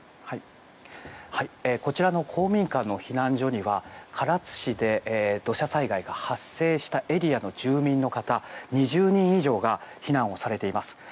こちらの公民館の避難所には唐津市で土砂災害が発生したエリアの住民の方２０人以上が避難をされています。